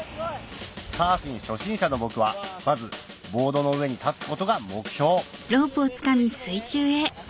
サーフィン初心者の僕はまずボードの上に立つことが目標冷てぇけどね。